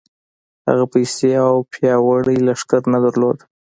هغه پيسې او پياوړی لښکر نه درلود.